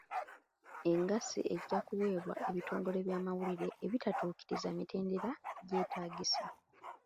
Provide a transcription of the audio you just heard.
Engassi ejja kuweebwa ebitongole by'amawulire ebitaatuukirize mitendera gyetaagisa.